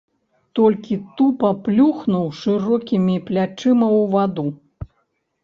Толькі тупа плюхнуў шырокімі плячыма ў ваду.